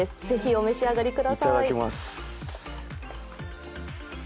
是非お召し上がりください。